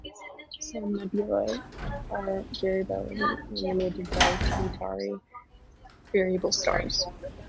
Some nebulae are variably illuminated by T Tauri variable stars.